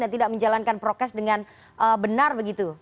dan tidak menjalankan prokes dengan benar begitu